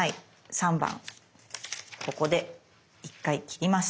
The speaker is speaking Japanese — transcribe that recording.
３番ここで１回切ります。